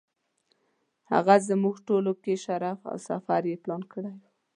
هغه زموږ ټولو کې مشر او سفر یې پلان کړی و.